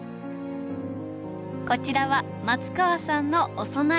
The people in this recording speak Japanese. こちらは松川さんのお供え花。